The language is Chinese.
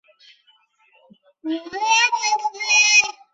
有人但求目的不择手段。